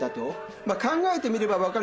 ま考えてみれば分かることで。